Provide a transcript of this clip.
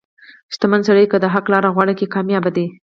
• شتمن سړی که د حق لار غوره کړي، کامیابه دی.